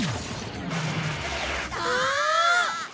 ああ！